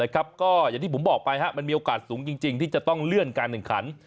ก็อย่างที่ผมบอกไปมันมีโอกาสสูงจริงที่จะต้องเลื่อนการแข่งขัน